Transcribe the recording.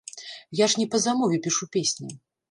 Я ж не па замове пішу песні.